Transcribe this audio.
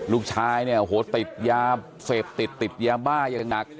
ลูกชายติดเยาะเฟฟติดเยาะบ้าเยอะหนัก